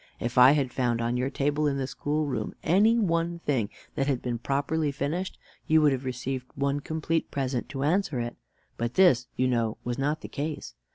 If I had found on your table in the schoolroom any one thing that had been properly finished, you would have received one complete present to answer it; but this you know was not the case.